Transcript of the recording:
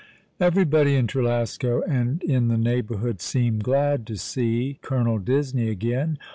Everybody in Trelasco and in the neighbourhoocl seemed glad to see Colonel Disney again.